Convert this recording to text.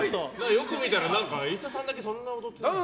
よく見たらＩＳＳＡさんだけそんな踊ってないみたいな。